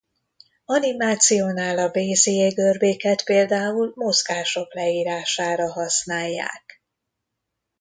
Animációnál a Bézier-görbéket például mozgások leírására használják.